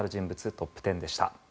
トップ１０でした。